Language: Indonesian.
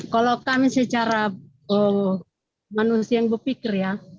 kalau kami secara manusia yang berpikir ya